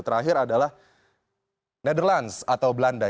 terakhir adalah netherlands atau belanda